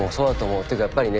っていうかやっぱりね。